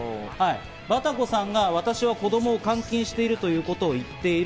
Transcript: バタコさんが私は子供を監禁しているということを言っている。